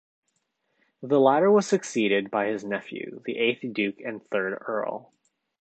The latter was succeeded by his nephew, the eighth Duke and third Earl.